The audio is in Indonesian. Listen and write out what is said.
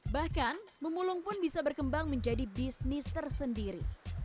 bahkan memulung pun bisa berkembang menjadi bisnis tersendiri